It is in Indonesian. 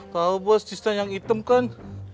tahu bos tisnak yang hitam kan